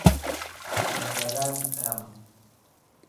Мәҫәлән, М.